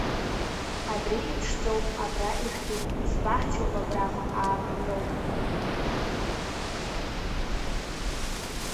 Абра иԥшӡоуп, абра ишәҭуп, сбаҳчароуп абраҟа, ааԥынроуп!